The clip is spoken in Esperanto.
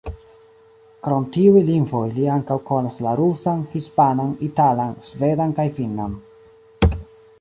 Krom tiuj lingvoj li ankaŭ konas la rusan, hispanan, italan, svedan kaj finnan.